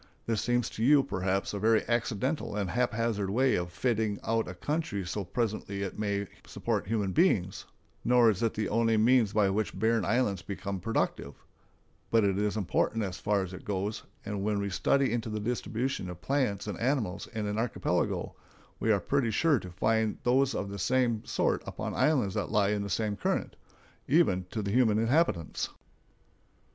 This seems to you, perhaps, a very accidental and haphazard way of fitting out a country so that presently it may support human beings, nor is it the only means by which barren islands become productive; but it is important as far as it goes, and when we study into the distribution of plants and animals in an archipelago, we are pretty sure to find those of the same sort upon islands that lie in the same current—even to the human inhabitants.